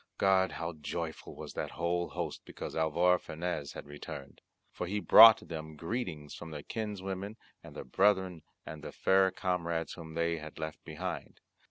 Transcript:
God, how joyful was that whole host because Alvar Fanez was returned! for he brought them greetings from their kinswomen and their brethren and the fair comrades whom they had left behind.